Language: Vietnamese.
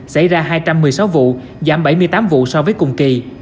xảy ra hai trăm một mươi sáu vụ giảm bảy mươi tám vụ so với cùng kỳ